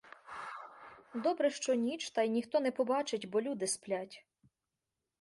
Добре, що ніч, та й ніхто не побачить, бо люди сплять.